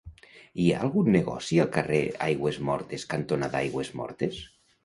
Hi ha algun negoci al carrer Aigüesmortes cantonada Aigüesmortes?